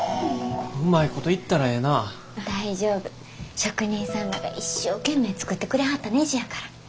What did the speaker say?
職人さんらが一生懸命作ってくれはったねじやから。